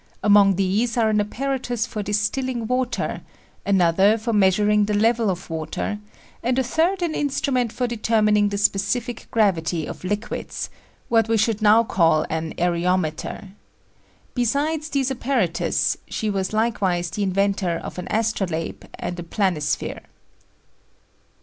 Among these are an apparatus for distilling water, another for measuring the level of water, and a third an instrument for determining the specific gravity of liquids what we should now call an areometer. Besides these apparatus, she was likewise the inventor of an astrolabe and a planisphere.